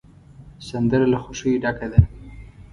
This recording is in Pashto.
سندره له خوښیو ډکه ده